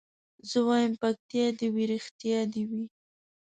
زه وايم پکتيا دي وي رښتيا دي وي